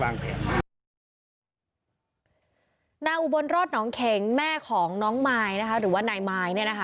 นาอุบลรอดน้องเข็งแม่ของน้องไมค์หรือว่าหน่ายไมค์